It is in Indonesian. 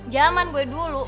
jaman gue dulu